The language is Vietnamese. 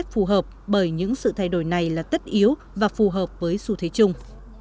phù hợp bởi những sự thay đổi này là tất yếu và phù hợp với xu thế chung